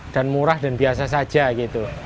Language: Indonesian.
dan murah dan biasa saja gitu